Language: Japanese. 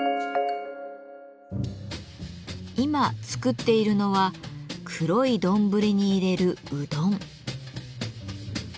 今作っているのは黒い丼に入れるうどん。